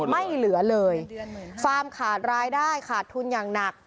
ไม่เหลือเลยฟาร์มขาดรายได้ขาดทุนอย่างหนัก